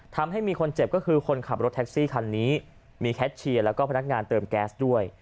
ทำให้มีคนเจ็บก็คือคนขับรถแท็กซี่คันนี้มีแคทเชียร์แล้วก็พนักงานเติมแก๊สด้วย